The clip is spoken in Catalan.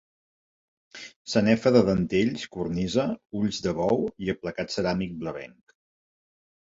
Sanefa de dentells, cornisa, ulls de bou i aplacat ceràmic blavenc.